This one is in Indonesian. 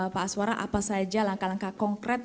pak aswara apa saja langkah langkah konkret